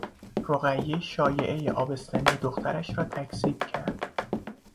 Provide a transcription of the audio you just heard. رقیه شایعهی آبستنی دخترش را تکذیب کرد.